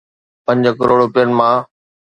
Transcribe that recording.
پنج ڪروڙ روپين مان